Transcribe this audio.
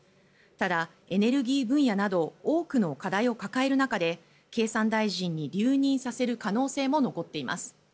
ただ、エネルギー分野など多くの課題を抱える中で経産大臣に留任させる可能性も残っています。